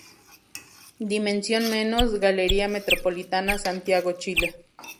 Dimensión Menos, Galería Metropolitana, Santiago, Chile.